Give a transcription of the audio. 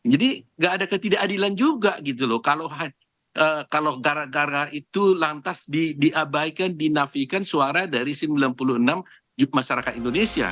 jadi nggak ada ketidakadilan juga gitu loh kalau gara gara itu lantas diabaikan dinafikan suara dari sembilan puluh enam masyarakat indonesia